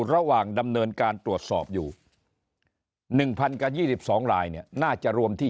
ระหว่างดำเนินการตรวจสอบอยู่๑๐๒๒ลายเนี่ยน่าจะรวมที่